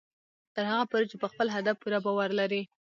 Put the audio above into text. تر هغه پورې چې په خپل هدف پوره باور لرئ